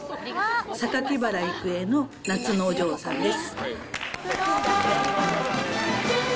榊原郁恵の夏のお嬢さんです。